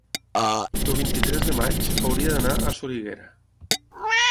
el vint-i-tres de maig hauria d'anar a Soriguera.